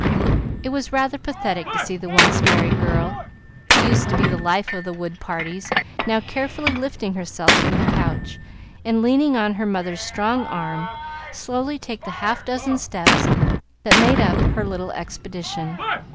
It was rather pathetic to see the once merry girl who used to be the life of the wood parties now carefully lifting herself from the couch, and, leaning on her mother's strong arm, slowly take the half dozen steps that made up her little expedition.